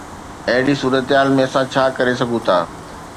اهڙي صورتحال ۾ اسان ڇا ڪري سگهون ٿا؟